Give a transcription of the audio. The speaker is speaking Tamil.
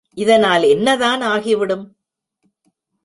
இதனால் என்னதான் ஆகிவிடும்?